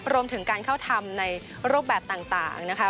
รวมถึงการเข้าทำในรูปแบบต่างนะคะ